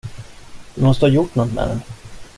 Du måste ha gjort nåt med den igen.